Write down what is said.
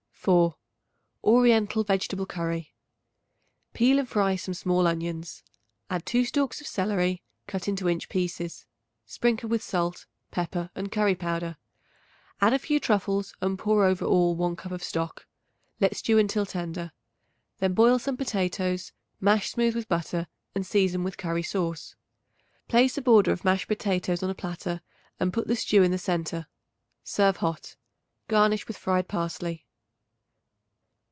4. Oriental Vegetable Curry. Peel and fry some small onions. Add 2 stalks of celery, cut into inch pieces; sprinkle with salt, pepper and curry powder; add a few truffles and pour over all 1 cup of stock. Let stew until tender. Then boil some potatoes; mash smooth with butter and season with curry sauce. Place a border of mashed potatoes on a platter and put the stew in the centre; serve hot. Garnish with fried parsley.